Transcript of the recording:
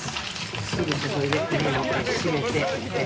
すぐ注いで麺を締めて。